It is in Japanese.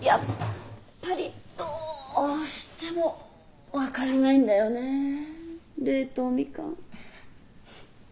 やっぱりどうしても分からないんだよね冷凍みかん。